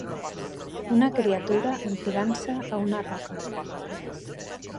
Una criatura enfilant-se a una roca.